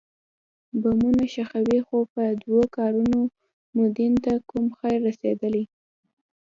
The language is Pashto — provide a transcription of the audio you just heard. بمونه ښخوئ خو په دو کارونو مو دين ته کوم خير رسېدلى.